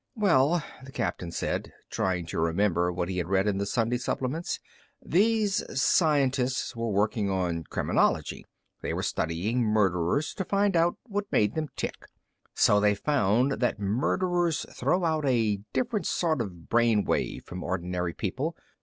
"Well," the captain said, trying to remember what he had read in the Sunday supplements, "these scientists were working on criminology. They were studying murderers, to find out what made them tick. So they found that murderers throw out a different sort of brain wave from ordinary people.